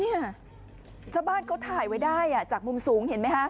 เนี่ยชาวบ้านเขาถ่ายไว้ได้อ่ะจากมุมสูงเห็นไหมฮะ